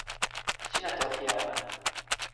sina toki e ona.